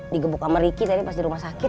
digebuk kamar riki tadi pas di rumah sakit